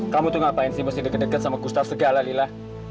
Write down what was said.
kamu tuh ngapain sih maksudnya deket deket sama gustaf segala lila